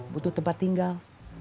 butuh tempat tinggal